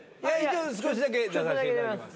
少しだけ出させていただきます。